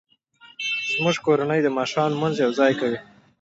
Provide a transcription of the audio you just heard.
زموږ کورنۍ د ماښام لمونځ یوځای کوي